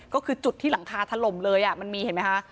ก็คือจุดที่หลังคาถล่มเลยมันมีเห็นไหมคะ